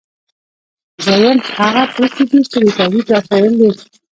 دویم هغه توکي دي چې د تولید وسایل دي.